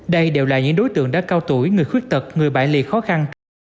đây đều là những đối tượng đã cao tuổi người khuyết tật người bại liệt khó khăn